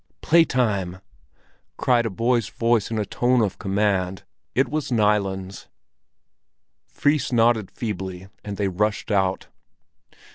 "Play time!" cried a boy's voice in a tone of command: it was Nilen's. Fris nodded feebly, and they rushed out.